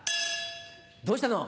どうしたの？